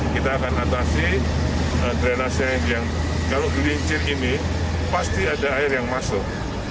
kita akan atasi drenase yang kalau gelincir ini pasti ada air yang masuk